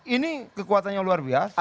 ini kekuatannya luar biasa